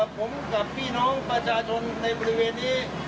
ผมกับพี่น้องประชาชนในบริเวณนี้